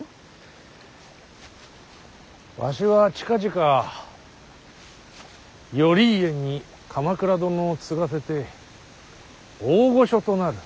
わしは近々頼家に鎌倉殿を継がせて大御所となる。